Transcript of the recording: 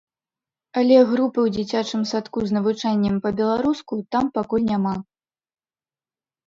Але групы ў дзіцячым садку з навучаннем па-беларуску там пакуль няма.